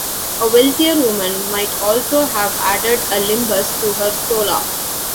A wealthier woman might also have added a limbus to her stola.